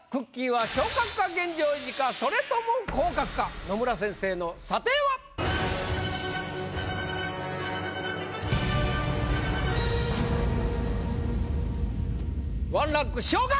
はそれとも野村先生の査定は⁉１ランク昇格！